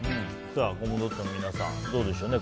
コムドットの皆さんこれはどうでしょう。